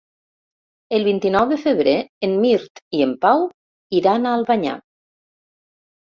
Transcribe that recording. El vint-i-nou de febrer en Mirt i en Pau iran a Albanyà.